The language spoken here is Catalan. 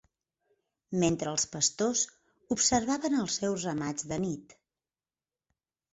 Mentre els pastors observaven els seus ramats de nit.